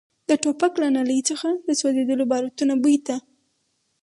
د ټوپک له نلۍ څخه د سوځېدلو باروتو بوی ته.